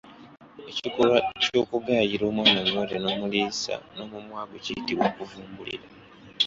Ekikolwa ky’okugaayira omwana omuwere n’omuliisa n’omumwagwo kiyitibwa kuvumbulira.